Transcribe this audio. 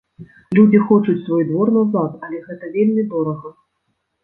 Людзі хочуць свой двор назад, але гэта вельмі дорага.